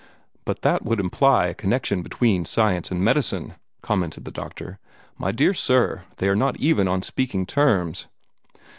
"But that would imply a connection between Science and Medicine!" commented the doctor. "My dear sir, they are not even on speaking terms."